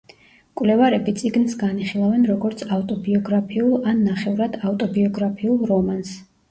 მკვლევარები წიგნს განიხილავენ როგორც ავტობიოგრაფიულ ან ნახევრად ავტობიოგრაფიულ რომანს.